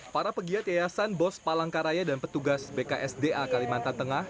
para pegiat yayasan bos palangkaraya dan petugas bksda kalimantan tengah